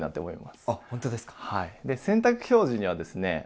で洗濯表示にはですね